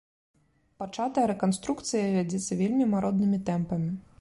Пачатая рэканструкцыя вядзецца вельмі маруднымі тэмпамі.